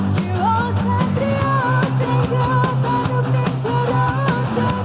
jiwa satria sehingga tanam di jorok tempat